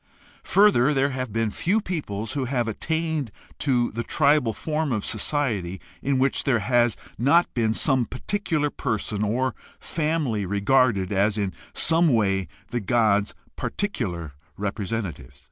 Further, there have been few peoples who have attained to the tribal form of society in which there has not been some particular person or family regarded as in some way the god's particular repre sentative.